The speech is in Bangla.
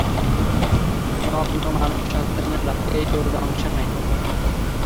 নগ্ন মানব সন্তানেরা এই দৌড়ে অংশ নেয়।